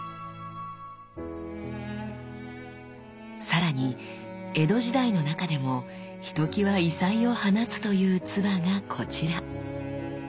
さらに江戸時代の中でもひときわ異彩を放つという鐔がこちら。